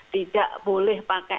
tidak boleh pakai